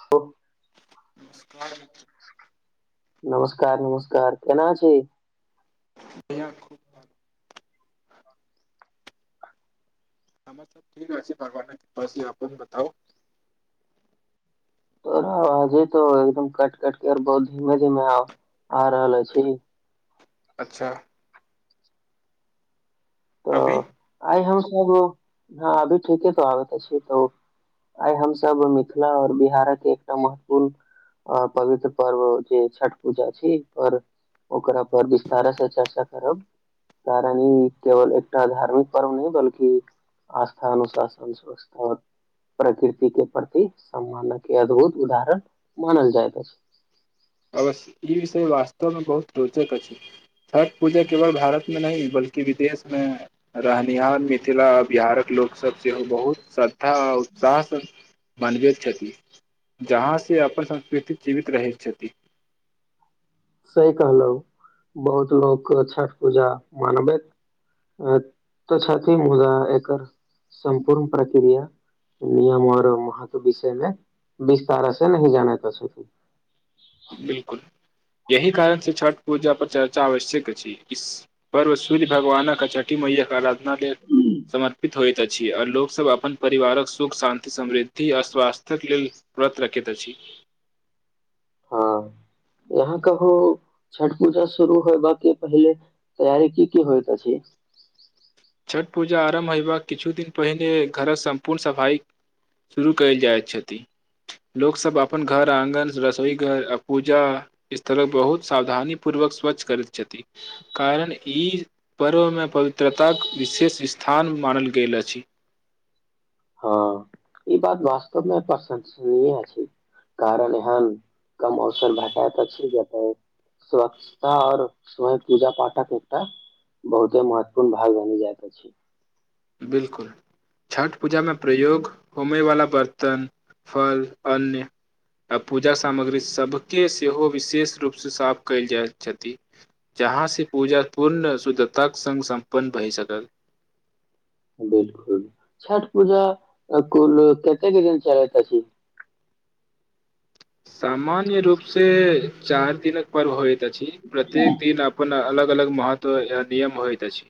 हो नमस्कार। नमस्कार-नमस्कार केना छी। बढ़ियाँ खूब भालो। हमर सब ठीक अछि भगवानक कृपा से अपन बताउ। तोरा आजे तो एगदम काट-काट केर बहुत धीमे-धीमे आ आ रहल अछि। अच्छा। अभी तऽ आय हम एगो हाँ अभी ठीके तो आबैत अछि तऽ उ आय हम सब मिथला और बिहारक के एकटा महत्वपूर्ण अ पवित्र पर्व जे छठ पूजा छी और ओकरा पर विस्तार से चर्चा करब कारण ई केवल एकटा धार्मिक पर्व नहि बल्कि आस्था, अनुशासन, स्वस्था और प्रकृति के प्रति सम्मानक के अद्भुत उदाहरण मानल जाएत अछि। अवश्य ई विषय वास्तव मे बहुत रोचक अछि, छठ पूजा केवल भारत मे नहि बल्कि विदेश मे रहनिहार मिथला, बिहारक लोक सब सेहो बहुत श्रद्धा आ उत्साह से मनबैत छथि, जहाँ से अपन संस्कृति जीवित रहै छ थी। सही कहलौ बहुत लोक छठ पूजा मनबैत अ तऽ छथिन, मुदा एकर सम्पूर्ण प्रक्रिया नियम और महत्व विषय मे विस्तार से नहि जानैत छथिन। बिलकुल यही कारण से छठ पूजा पर चर्चा आवश्यक अछि, इस पर्व सूर्य भगवानक अ छठी मैया के अरा धना के समर्पित होएत अछि आ लोक सब अपन परिवारक सुख, शान्ति, समृद्धि आ स्वास्थ्यक लेल व्रत रखैत अछि। हाँ यहाँ कहू छठ पूजा शुरू होयबा के पहिले तैयारी की-की होएत अछि। छठ पूजा आरम्भ होयबाक किछु दिन पहिने घर सम्पूर्ण सफाई शुरू कयल जाय छथि, लोक सब अपन घर, आँगन, रसोई घर आ पूजा स्थलक बहुत सावधानी पूर्वक स्वच्छ करैत छथि, कारण ई पर्व मे पवित्रताक विशेष स्थान मानल गेल अछि। हँ ई बात वास्तव मे प्रशंसनीय अछि, कारण एहन कम अवसर भेटाएत अछि जतय स्वच्छता और [unintelligible] पूजा-पाठक एकटा बहुते महत्वपूर्ण भाग बनि जाएत अछि। बिलकुल छठ पूजा मे प्रयोग हो मे वला बर्तन, फल, अन्न आ पूजा सामग्री सब के सेहो विशेष रूप सँ साफ कयल जाएत छथि, जहाँ से पूजा पूर्ण शुद्धताक संग सम्पन्न भय सकल। बिलकुल छठ पूजा अ कुल कतेक दिन चलैत अछि। सामान्य रूप से चार दिनक पर्व होय त अछि, प्रत्येक दिन अपन अलग अलग महत्व ए नियम होएत अछि,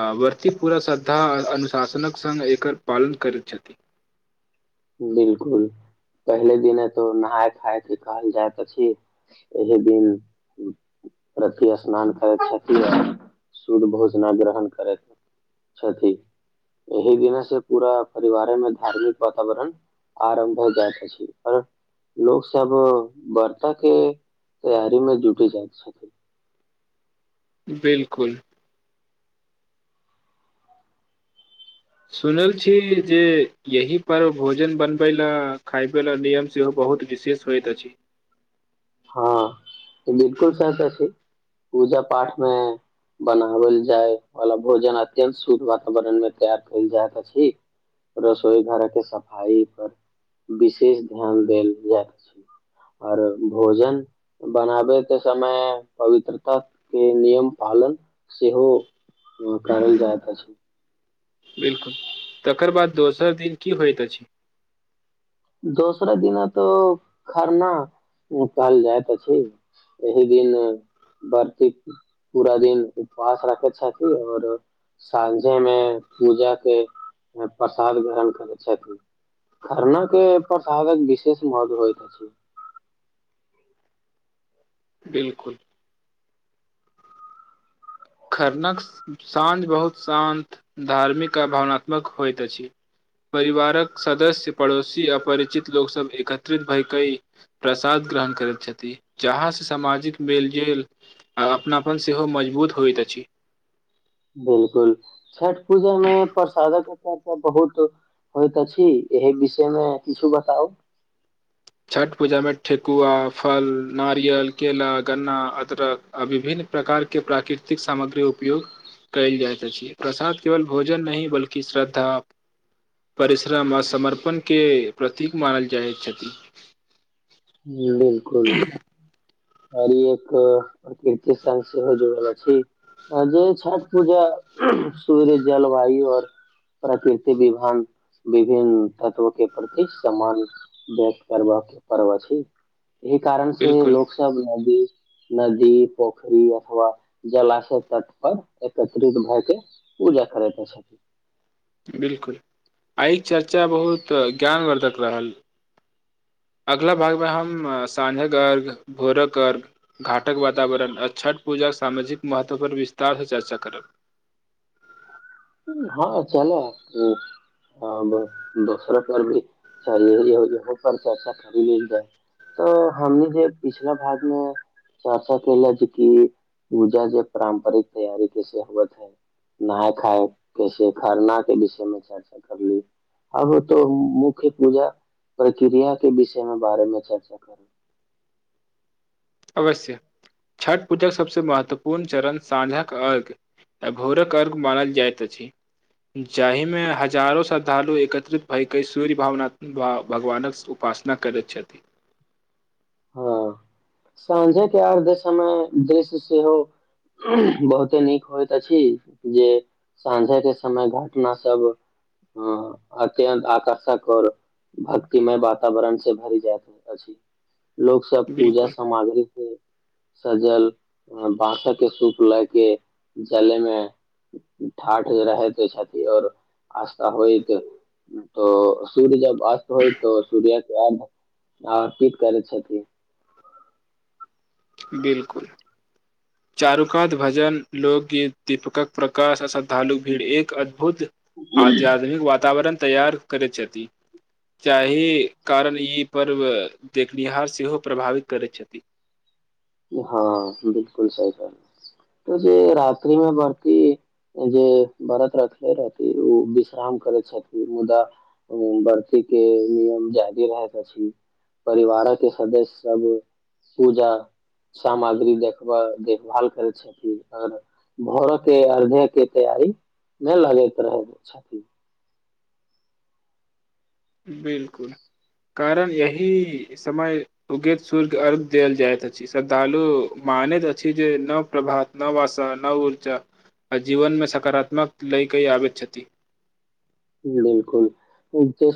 आ व्रती पूरा श्रद्धा अनुशासनक संग एकर पालन करैत छथि। बिलकुल पहिले दिने तो नहाय खायत कहल जाएत अछि, एहि दिन व्रती स्नान करैत छथि आ शुद्ध भोजना ग्रहण करैत छथि, एहि दिने से पूरा परिवारे मे धार्मिक आ वातावरण आरम्भ भ जाएत अछि आर लोक सब वर्ता के तैयारी मे जुटी जाएत छथिन। बिलकुल। सुनल छी जे यही पर्व भोजन बनबै लै, खायबै लै नियम सेहो बहुत विशेष होएत अछि। हाँ बिलकुल सच अछि, पूजा-पाठ मे बनावल जाय वाला भोजन अत्यंत शुद्ध वातावरण मे तैयार कैल जाएत अछि, रसोई घर के सफाई पर विशेष ध्यान देल जाएत अछि और भोजन बनाबे के समय पवित्रता के नियम पालन सेहो करल जाएत अछि। बिलकुल तकर बाद दोसर दिन की होएत अछि। दोसरा दिना तो खरना कहल जाएत अछि, एहि दिन व्रती पूरा दिन उपवास रखे छथि और साँझे मे पूजा के ए प्रसाद ग्रहण करै छथिन खरना के प्रसादक विशेष महत्व होएत अछि। बिलकुल। खरनाक साँझ बहुत शान्त, धार्मिक आ भावनात्मक होएत अछि, परिवारक सदस्य पड़ोसी आ परिचित लोक सब एकत्रित भय के प्रसाद ग्रहण करत छथि, जहाँ से सामाजिक मेल-जेल आ अपनापन सेहो मजबूत होएत अ छी। बिलकुल छठ पूजा मे प्रसादक चर्चा बहुत होएत अछि, एहि विषय मे किछो बताउ। छठ पूजा मे ठेकुआ, फल, नारियल, केला, गन्ना, अदरक आ विभिन्न प्रकार के प्राकृतिक सामग्री उपयोग काएल जाएत अछि, प्रसाद केवल भोजन नहि बल्कि श्रद्धा, परिश्रम आ समर्पण के प्रतीक मानल जाएत छथि। जी बिल्कुल। [unintelligible] आओर ई एक प्रकृति स सेहो जुड़ल अछि जे छठ पूजा -सूर्य जलवायु आओर प्रकृति विभान विभिन्न तत्व के प्रति सम्मान व्यक्त करबबाक के पर्व। [unintelligible] ई कारण से बिलकुल लोक नदी -नदी पोखरी अथवा जलाशय तट परर एकत्रित भए के पूजा करैत। छथिन [unintelligible] बिलकुल आइ चर्चा बहुत ज्ञानवर्धक रहल अगला भागमे हम साँझक अर्घ भोरक अर्घ्य घाटक वातावरण आ छठ पूजाक सामाजिक महत्व पर विस्तार से चर्चा करब। [unintelligible] हँ चल- अ दोसरो पर भीहो पर चर्चा करि लेल जाय तऽ हमनी जे पिछला भाग मे चर्चा केले जे कि पूजा जे पारम्परिक तैयार कैस हुत है नहााय खााय। कैसे खरना के विषय मे चर्चा कर ली अब तो मुख्य पूजा प्रक्रिया के विषय मे बारेमे चर्चा करू। [unintelligible] अवश्य छठ पूजाक सबसँ महत्वपूर्ण चरण साँझक अर्घ्य आ भोरक अर्घ्य मानल जाइत अछि जाहिमे हजारो श्रद्धालु एकत्रित भएके सूर्य भावनात्म भगवानक उपासना करैत छथि। [unintelligible] हँ साँझेके अर्ध समय दृश्य सेहो- बहुते नीक होइत अछि जे साँझेके समय घटना सभ अ अत्यन्त आकर्षक आओर भक्तिमय वातावरण से भरि जाइत अछि। [unintelligible] लोकोग सब पूजा बिल्कुल सामग्री के। [unintelligible] सजल -बासक के सूप लए के जलेमे -ठाठ रहैत छथि और आस्था होइत तऽ सूर्य जब अस्त होय त सूर्य के अर्ध। करै छथि। [unintelligible] बिलकुल। [unintelligible] चारुकात भजन लोकगीत दीपकक प्रकाश श्रद्धालु भीड़ एक अद्भुत। [unintelligible] आत्याधुनिक वातावरण। [unintelligible] तैयार करैत छथि -तहि कारण ई पर्व देखनिहार सेहो प्रभावित करैत छथि। [unintelligible] हँ बिलकुल सही तऽ जे रातिमे वती जे व्रत रखले रहथि ओ विश्राम करैत छथिन मुदा वर्तीीक के नियम जादी रहैत अछि परिवार के सदस्य सब पूजा। सामग्री देखबह देखभाल करै छथिन अगर भरके अर्धेके तैयारी नहि लगैत रहै छथिन। [unintelligible] बिलकुल कारण यह समय उगैत सूर्य अर्घ देल जाइत अछि श्रद्धालु मानैत अछि जे न प्रभात न वसा न ऊर्जा आ जीवनमे सकारात्मक लय कई आबैत छथि। [unintelligible] बिलकुल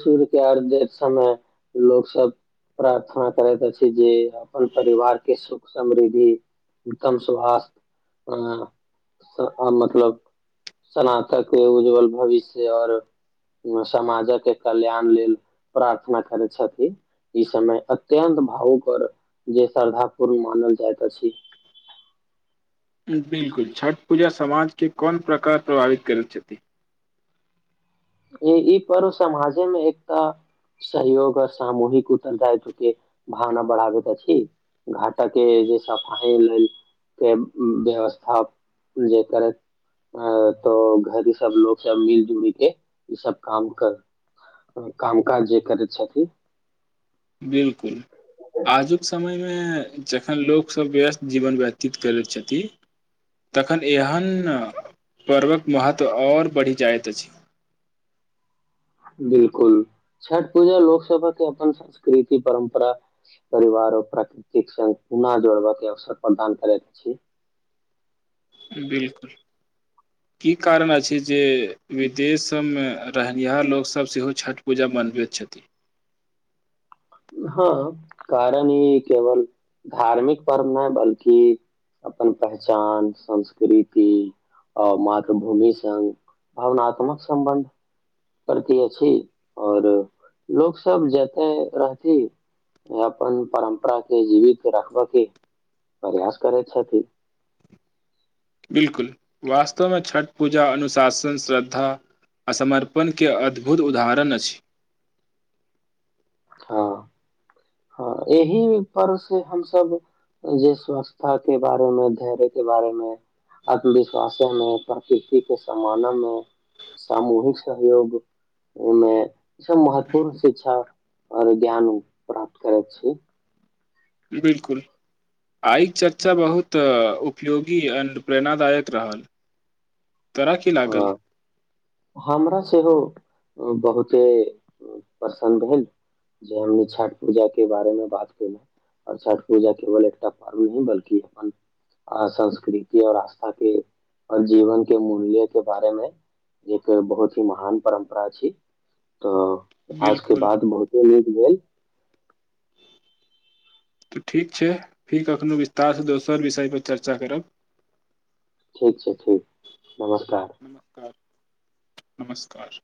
सूर्य के अर् समय लोक सब प्रार्थना करैत अछि जे अपन परिवार के सुख समृद्धि उत्तम सु अ मतलब सनातक उज्ज्वल भविष्य आओर। [unintelligible] समाजके कल्याण लेल प्रार्थना करै छथिन ई समय अत्यन्त भावुक आओर जे श्रद्धा पूर्ण मानल जाइत अछि। [unintelligible] बिलकुल छठ पूजा समाजके कोन प्रकार प्रभावित करैत छथि। [unintelligible] ई पर्व समाजेमे एकटा सहयोग आर सामूहिक उत्तरदायित्व के भावना बढ़ाबैत अछि घाटक के जे सफाइ लेल के व्यवस्था जे करैत- अ तऽ घर सब लोको सब मिल जुल के। ई सब काम कर काम काज जे करैत छथि। [unintelligible] बिलकुल। [unintelligible] आजुक समयमे। [unintelligible] जखन लोक सब व्यस्त जीवन व्यतीत करैत छथि तखन एहन- पर्वक महत्व आओर बढ़ि जाइत अछि। [unintelligible] बिलकुल छठ पूजा लोक सब के अपन संस्कृति परम्परा परिवार आऔर प्राकृतिक संग पुना जोड़ब के अवसर प्रदान करैत छी। [unintelligible] बिलकुल की कारण अछि जे विदेश सभमे रहनिहार लोकसभ सेहो छठि पूजा मनबैत छथिन। [unintelligible] हँ कारण ई केवल धार्मिक पर्व नहि बल्कि अपन पहचान संस्कृति आ मातृभूमि स भावनात्मक सम्बन्ध। [unintelligible] करती अछि आओर लोकसभ जते रहथि -अपन परम्परे जीवित रखबयके प्रयास करैत छथिन। [unintelligible] बिलकुल वास्तवमे छठ पूजा अनुशासन श्रद्धा आ समर्पणके अद्भुत उदाहरण अछि। [unintelligible] हँ हँ एहि परर् से हमस जे स्वस्ता के बारे मे धैर्य के बारे मे आत्मविश्वासे मे प्रकृति के सम्मान मे सामूहिक सहयोग मे सब महत्वपूर्ण शिक्षा आओर ज्ञान। [unintelligible] प्राप्त कर छी। [unintelligible] बिलकुल [unintelligible] आइ चर्चा बहुत उपयोगी एणड प्रेरणादायक रहल। [unintelligible] कर की लागल। हँ [unintelligible] हमरा सेहो बहुते प्रसन्न भेल जे हम छठि पूजाके बारेमे बात कयेलहु आओर छठि पूजा केवल एकटा पर्व नहिी बल्कि अपन संस्कृति आओर आस्थाके आओर जीवनके मूल्यके बारेमे। एक बहुत ही महान परम्परा छी तऽ। [unintelligible] इहाज के बिलकुल बाद बहुते गेल। [unintelligible] तऽ ठीक छै फेर कखनोहु विस्तारसँ दोसर विषयपर चर्चा करब। [unintelligible] ठीक छै ठीक नमस्कार। [unintelligible] नमस्कार नमस्कार।